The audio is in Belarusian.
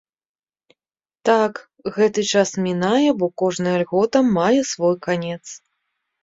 Так, гэты час мінае, бо кожная льгота мае свой канец.